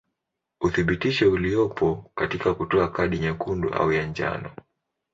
Uthibitisho uliopo katika kutoa kadi nyekundu au ya njano.